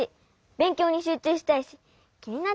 べんきょうにしゅうちゅうしたいしきになっちゃうもん。